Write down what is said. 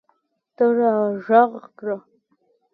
ته راږغ کړه !